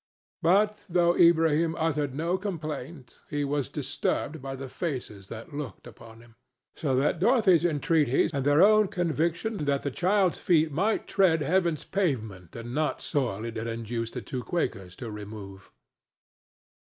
But, though Ilbrahim uttered no complaint, he was disturbed by the faces that looked upon him; so that Dorothy's entreaties and their own conviction that the child's feet might tread heaven's pavement and not soil it had induced the two Quakers to remove.